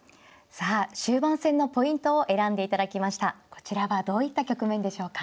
こちらはどういった局面でしょうか。